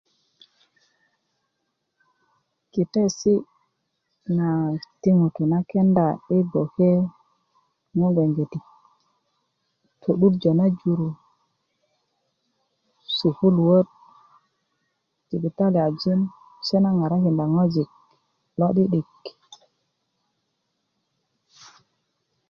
kitesi naŋ ti ŋutuu na kenda i gboke ŋo gbegiti todujö na jur sukuluwöt jibitaliyajin se na ŋarakinda ŋojik ló'didik